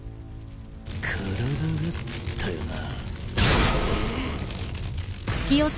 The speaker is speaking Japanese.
体がっつったよな？